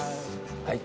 はい。